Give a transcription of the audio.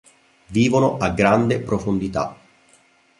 Vivono a grande profondità.